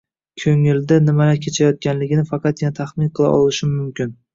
“Ko‘nglingda nimalar kechayotganligini faqatgina taxmin qila olishim mumkin